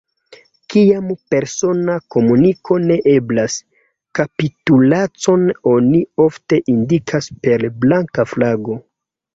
Kiam persona komuniko ne eblas, kapitulacon oni ofte indikas per blanka flago.